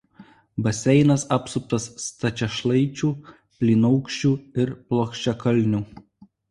Baseinas apsuptas stačiašlaičių plynaukščių ir plokščiakalnių.